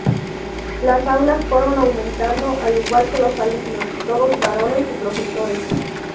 Las aulas fueron aumentando, al igual que los alumnos, todos varones, y profesores.